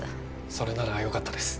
それならよかったです